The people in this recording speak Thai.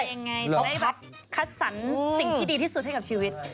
ยังไงจะได้แบบคัดสรรสิ่งที่ดีที่สุดให้กับชีวิต